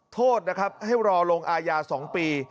โทษนะครับให้รอลงอาญา๒ปี